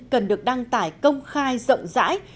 cần được đăng tải công khai rộng rãi